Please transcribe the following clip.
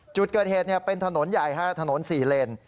จุดเกิดเหตุเป็นถนนใหญ่ถนน๔เลน